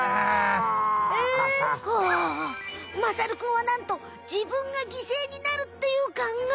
ああまさるくんはなんとじぶんがぎせいになるっていうかんがえ。